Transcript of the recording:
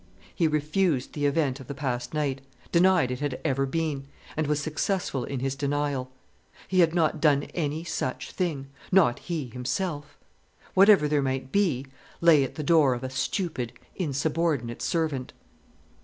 He refused the event of the past night—denied it had ever been—and was successful in his denial. He had not done any such thing—not he himself. Whatever there might be lay at the door of a stupid, insubordinate servant.